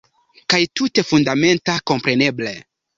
Kaj tute fundamenta, kompreneble.